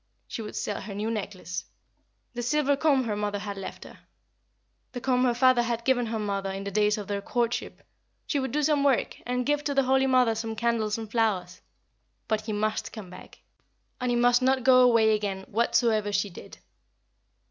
She would sell her new necklace; the silver comb her mother had left, her the comb her father had given her mother in the days of their courtship; she would do some work, and give to the Holy Mother some candles and flowers; but he must come back, and he must not go away again whatsoever she did.